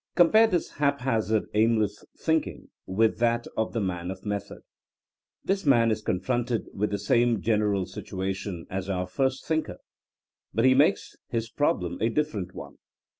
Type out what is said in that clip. Compare this haphazard, aimless thinking with that of the man of method. This man is confronted with the same general situation as our first thinker, but he makes his problem a different one.